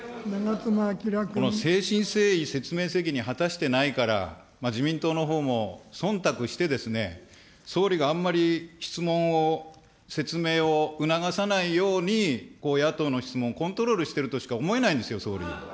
この誠心誠意説明責任を果たしてないから、自民党のほうもそんたくしてですね、総理があんまり質問を説明を促さないように、野党の質問、コントロールしてるとしか思えないんですよ、総理。